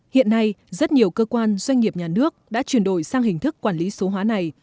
hiện nay rất nhiều cơ quan doanh nghiệp nhà nước đã chuyển đổi sang hình thức quản lý số hóa này